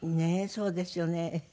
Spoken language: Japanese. そうですよね。